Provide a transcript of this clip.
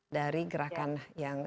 dari gerakan yang